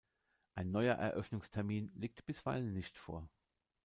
Ein neuer Eröffnungstermin liegt bisweilen nicht vor.